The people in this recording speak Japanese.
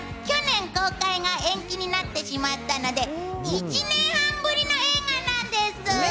去年、公開が延期になってしまったので１年半ぶりの映画なんです。